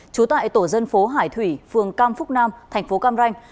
trú tại tổ dân phố hải thủy phường cam phúc nam thành phố cam ranh